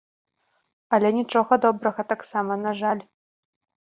Але нічога добрага таксама, на жаль.